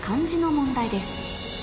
問題です